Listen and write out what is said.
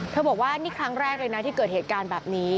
บอกว่านี่ครั้งแรกเลยนะที่เกิดเหตุการณ์แบบนี้